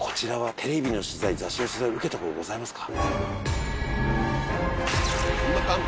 テレビの取材雑誌の取材受けた事ございますか？